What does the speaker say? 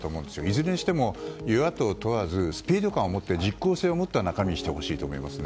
いずれにしても、与野党問わずスピード感を持って実効性を持った中身にしてほしいですよね。